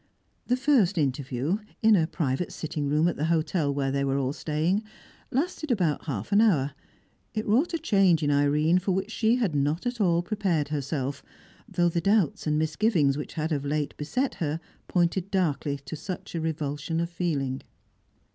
The first interview in a private sitting room at the hotel where they were all staying lasted about half an hour; it wrought a change in Irene for which she had not at all prepared herself, though the doubts and misgivings which had of late beset her pointed darkly to such a revulsion of feeling.